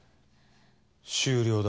「終了だ」